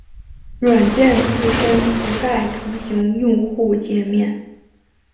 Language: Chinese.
软件自身不带图形用户界面。